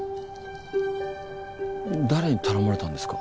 誰に頼まれたんですか？